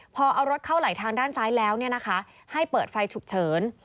พอเอารถเข้าไหลทางด้านซ้ายแล้วให้เปิดไฟฉุกเฉิน